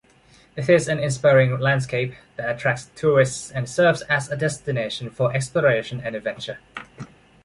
It is an inspiring landscape that attracts tourists and serves as a destination for exploration and adventure.